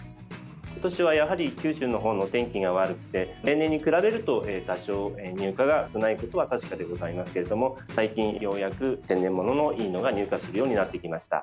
今年は、やはり九州のほうの天気が悪くて例年に比べると多少、入荷が少ないことは確かでございますけれども最近、ようやく天然物のいいのが入荷するようになってきました。